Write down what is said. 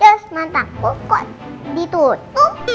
cus mantap kok kok ditutup